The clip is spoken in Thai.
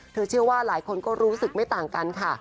เชื่อว่าหลายคนก็รู้สึกไม่ต่างกันค่ะ